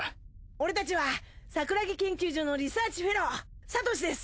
俺たちはサクラギ研究所のリサーチフェローサトシです。